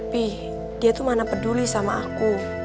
pih dia tuh mana peduli sama aku